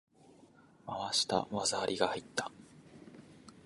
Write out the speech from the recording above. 回した！技ありが入った！